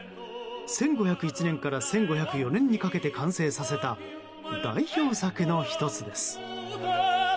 １５０１年から１５０４年にかけて完成させた代表作の１つです。